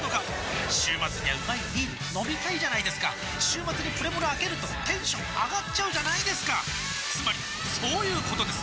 週末にはうまいビール飲みたいじゃないですか週末にプレモルあけるとテンション上がっちゃうじゃないですかつまりそういうことです！